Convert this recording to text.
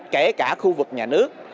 kể cả khu vực nhà nước